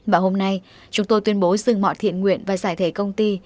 và hôm nay chúng tôi tuyên bố dừng mọi thiện nguyện và giải thể công ty